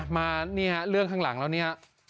มานี่ฮะเรื่องข้างหลังแล้วเนี่ย